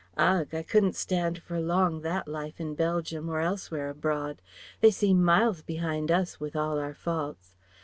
"Ugh! I couldn't stand for long that life in Belgium or elsewhere abroad. They seem miles behind us, with all our faults.